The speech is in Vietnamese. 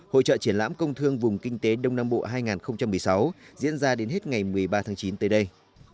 hội trợ triển lãm công thương vùng kinh tế đông nam bộ hai nghìn một mươi sáu diễn ra đến hết ngày một mươi ba tháng chín tới đây